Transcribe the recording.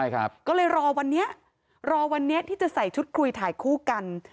ก็เลยรอวันนี้ที่จะใส่ชุดคุยถ่ายคู่กัน